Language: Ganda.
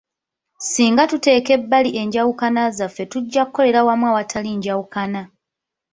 Singa tuteeka ebbali enjawukana zaffe tujja kukolera wamu awatali njawukna.